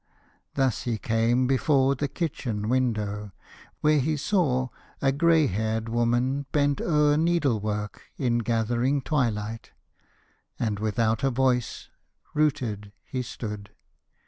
Thus he came Before the kitchen window, where he saw A gray haired woman bent o'er needle work In gathering twilight. And without a voice, Rooted, he stood.